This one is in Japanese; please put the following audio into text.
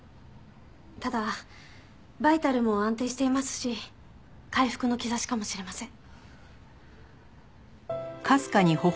ただバイタルも安定していますし回復の兆しかもしれません。